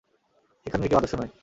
এখানের কেউ আদর্শ নয়।